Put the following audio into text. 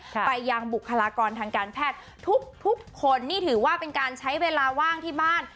ไปยังบุคลากรทางการแพทย์ทุกทุกคนนี่ถือว่าเป็นการใช้เวลาว่างที่บ้าน